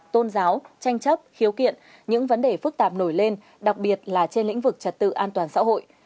tôn giáo tranh chấp khiếu kiện những vấn đề phức tạp nổi lên đặc biệt là trên lĩnh vực trật tự an toàn xã hội